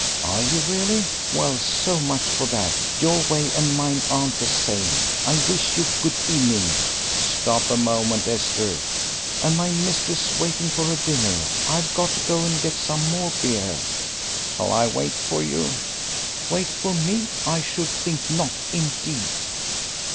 "Are you really! Well, so much for that your way and mine aren't the same. I wish you good evening." "Stop a moment, Esther." "And my mistress waiting for her dinner. I've to go and get some more beer." "Shall I wait for you?" "Wait for me! I should think not, indeed."